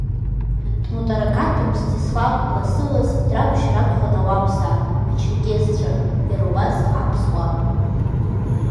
Тмутаракантәи Мстислав лассыласс драбашьыр акәхон ауаԥсаа, ачерқьезцәа, иара убас аԥсуаа…